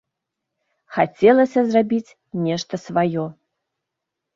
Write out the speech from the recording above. Хацелася зрабіць нешта сваё.